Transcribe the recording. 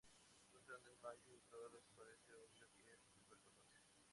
Sufre un desmayo y a todos les parece obvio que es tuberculosis.